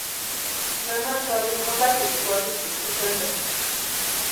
Nana Saluo ampakiti kwatsitisï jukanchasti.